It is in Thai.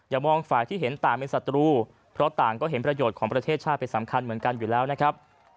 มองฝ่ายที่เห็นต่างเป็นศัตรูเพราะต่างก็เห็นประโยชน์ของประเทศชาติเป็นสำคัญเหมือนกันอยู่แล้วนะครับ